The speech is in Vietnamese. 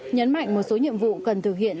nhấn mạnh một số nhiệm vụ cần thực hiện